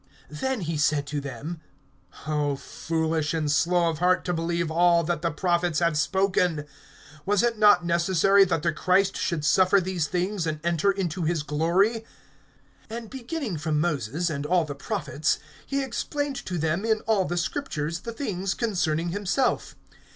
(25)Then he said to them: O foolish, and slow of heart to believe all that the prophets have spoken! (26)Was it not necessary, that the Christ should suffer these things, and enter into his glory? (27)And beginning from Moses, and all the prophets, he explained to them in all the Scriptures the things concerning himself.